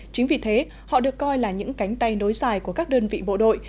chính vì thế họ được coi là những cánh tay nối dài của các đơn vị bộ đội